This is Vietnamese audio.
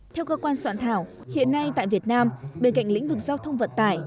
theo cơ quan soạn thảo hiện nay tại việt nam bên cạnh lĩnh vực giao thông vận tải